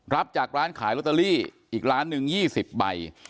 รับจากร้านขายลอตเตอรี่อีกร้านหนึ่ง๒๐ใบ